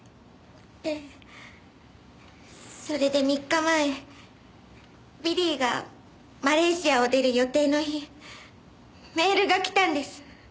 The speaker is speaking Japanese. ええそれで３日前ビリーがマレーシアを出る予定の日メールが来たんです。